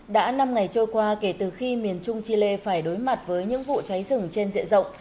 đã năm ngày trôi qua kể từ khi miền trung chile phải đối mặt với những vụ cháy rừng trên diện rộng